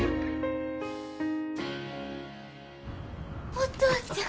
お父ちゃん。